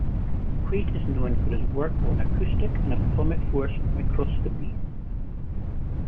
Quate is known for his work on acoustic and atomic force microscopy.